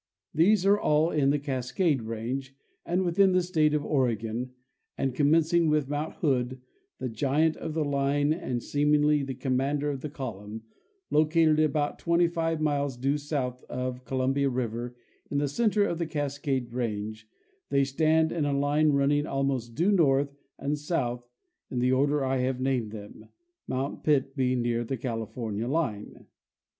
These are all in the Cascade range and within the state of Oregon, and, commencing with mount Hood, the giant of the line and seemingly the commander of the column, located about 25 miles due south of Columbia river in the center of the Cascade range, they stand in a line running almost due north and south in the order I have named them, mount Pitt being near the California line.